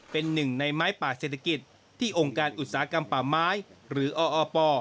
เป็นหนึ่งในไม้ป่าเศรษฐกิจที่องค์การอุตสาหกรรมป่าไม้หรือออป